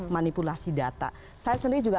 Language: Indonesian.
manipulasi data saya sendiri juga